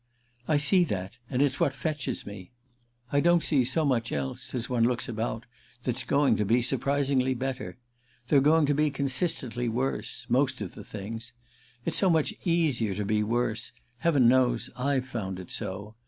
"I see that, and it's what fetches me. I don't see so much else—as one looks about—that's going to be surprisingly better. They're going to be consistently worse—most of the things. It's so much easier to be worse—heaven knows I've found it so.